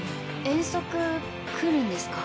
遠足来るんですか？